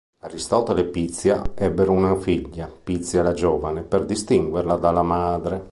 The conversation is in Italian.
Aristotele e Pizia ebbero una figlia, Pizia la Giovane per distinguerla dalla madre.